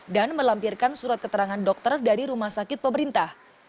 melampirkan surat keterangan dokter dari rumah sakit pemerintah